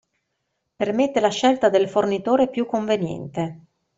Permette la scelta del fornitore più conveniente.